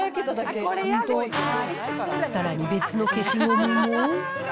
さらに別の消しゴムも。